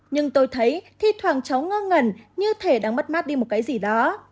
nhưng tôi thấy thì thoảng cháu ngơ ngẩn như thể đang mất mát đi một cái gì đó